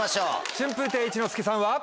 春風亭一之輔さんは。